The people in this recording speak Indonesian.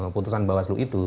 putusan bawah slu itu